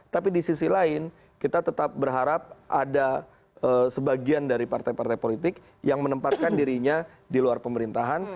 tapi di sisi lain kita tetap berharap ada sebagian dari partai partai politik yang menempatkan dirinya di luar pemerintahan